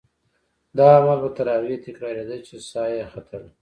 دا عمل به تر هغې تکرارېده چې سا یې ختله.